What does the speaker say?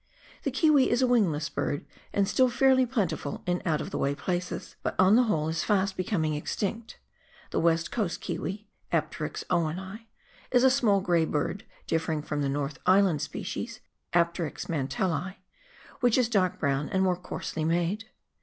The kiwi is a wingless bird, and still fairly plentiful in out of the way places, but on the whole is fast becoming extinct The West Coast kiwi {Ajdcnx oiceni) is a small grey bird, diifering from the North Island species [Apterix manteUi), which is dark brown and more coarsely made.